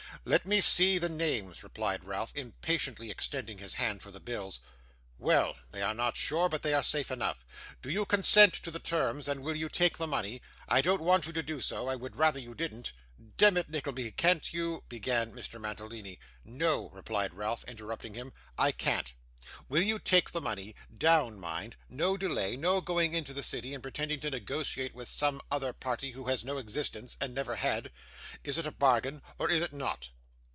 'Let me see the names,' replied Ralph, impatiently extending his hand for the bills. 'Well! They are not sure, but they are safe enough. Do you consent to the terms, and will you take the money? I don't want you to do so. I would rather you didn't.' 'Demmit, Nickleby, can't you ' began Mr. Mantalini. 'No,' replied Ralph, interrupting him. 'I can't. Will you take the money down, mind; no delay, no going into the city and pretending to negotiate with some other party who has no existence, and never had. Is it a bargain, or is it not?